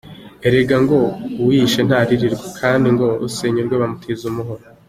Erega ngo « Uwiyishe ntaririrwa » ,kandi ngo « Usenya urwe umutiza umuhoro ».